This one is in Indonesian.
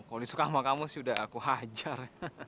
kalau dia suka sama kamu sih udah aku hajar